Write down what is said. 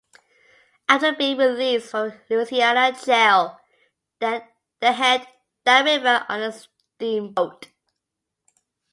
After being released from a Louisiana jail they head downriver on a steamboat.